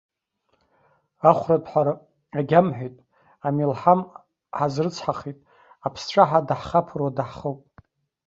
Ахәраҭәҳәа агьамҳәеит, амелҳам ҳазрыцҳахеит, аԥсцәаҳа даҳхаԥыруа даҳхоуп!